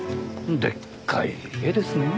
でっかい家ですねえ。